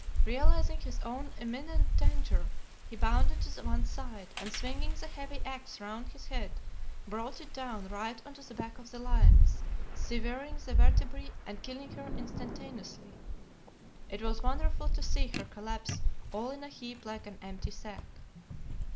Realizing his own imminent danger, he bounded to one side, and swinging the heavy axe round his head, brought it down right on to the back of the lioness, severing the vertebræ and killing her instantaneously. It was wonderful to see her collapse all in a heap like an empty sack.